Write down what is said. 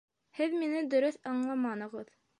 Һеҙ мине дөрөҫ аңламанығыҙ